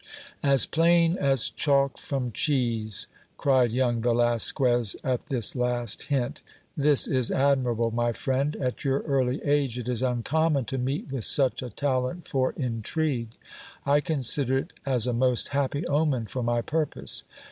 As plain as chalk from cheese ! cried young Velasquez at this last hint ; this is admirable, my friend ; at your early age, it is uncommon to meet with such a talent for intrigue ; I consider it as a most happy omen for my purpose.